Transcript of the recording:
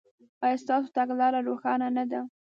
ایا ستاسو تګلاره روښانه نه ده؟